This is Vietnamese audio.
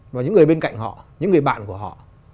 và những người bên cạnh họ những người bạn của họ